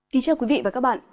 kính chào quý vị và các bạn